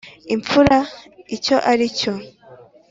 imfura icyo aricyo.